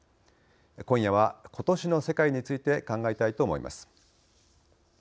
今夜はことしの世界について考えたいと思います。